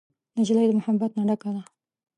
نجلۍ د محبت نه ډکه ده.